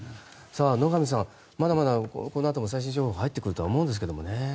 野上さん、まだまだこのあとも最新情報が入ってくるとは思うんですけど。